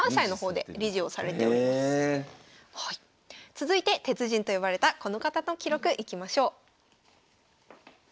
続いて鉄人と呼ばれたこの方の記録いきましょう。